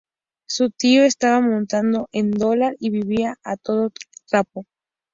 Su tío estaba montado en el dólar y vivía a todo trapo